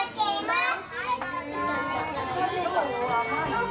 どう？